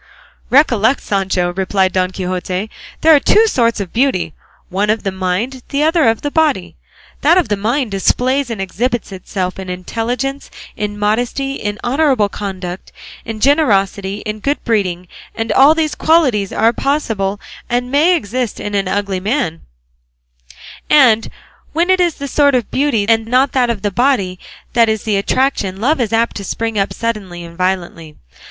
"Recollect, Sancho," replied Don Quixote, "there are two sorts of beauty, one of the mind, the other of the body; that of the mind displays and exhibits itself in intelligence, in modesty, in honourable conduct, in generosity, in good breeding; and all these qualities are possible and may exist in an ugly man; and when it is this sort of beauty and not that of the body that is the attraction, love is apt to spring up suddenly and violently.